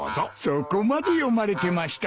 そこまで読まれてましたか。